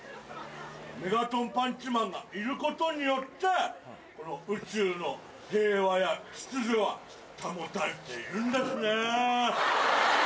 メガトンパンチマンがいることによって宇宙の平和や秩序が保たれているんですね。